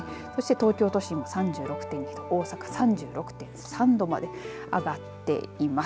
東京都心３６．２度大阪３６．３度まで上がっています。